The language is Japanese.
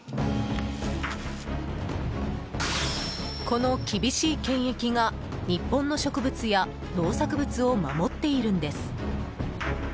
この厳しい検疫が日本の植物や農作物を守っているんです。